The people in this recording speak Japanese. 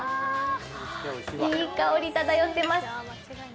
いい香り漂ってます。